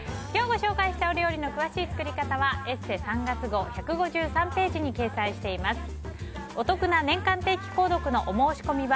今日ご紹介したお料理の詳しい作り方は「ＥＳＳＥ」３月号１５３ページに掲載しています。